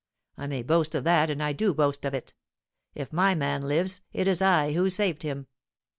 I may boast of that, and I do boast of it. If my man lives, it is I who saved him.